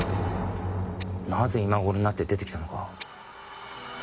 なぜ今頃になって出てきたのか。